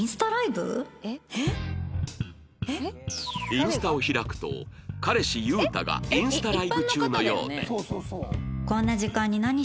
インスタを開くと彼氏ユウタがインスタライブ中のようで